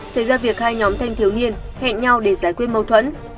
xảy ra việc hai nhóm thanh thiếu niên hẹn nhau để giải quyết mâu thuẫn